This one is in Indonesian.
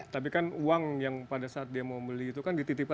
tapi kan uang yang pada saat dia mau beli itu kan dititipkan